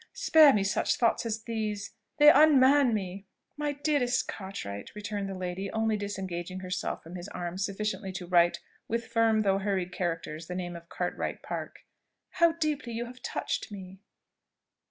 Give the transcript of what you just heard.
spare me such thoughts as these! they unman me!" "My dearest Cartwright!" returned the lady, only disengaging herself from his arms sufficiently to write with firm though hurried characters the name of CARTWRIGHT PARK, "how deeply you have touched me!"